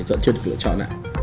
chưa được lựa chọn ạ